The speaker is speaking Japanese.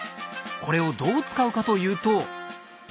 これをどう使うかというと。